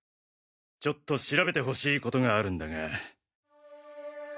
ちょっと調べて欲しいことがあるんだが。